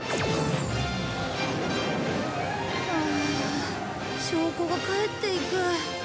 ああ証拠が帰っていく。